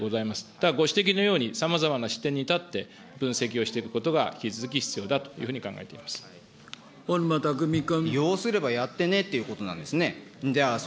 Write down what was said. ただ、ご指摘のようにさまざまな視点に立って分析をしていくことが引き続き必要だというふうに考小沼巧君。